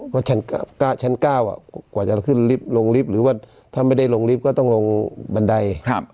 เพราะชั้น๙กว่าจะขึ้นลิฟต์ลงลิฟต์หรือว่าถ้าไม่ได้ลงลิฟต์ก็ต้องลงบันได